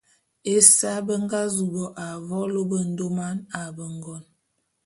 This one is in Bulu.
Ésae…be nga zu bo a mvolo bendôman a bengon.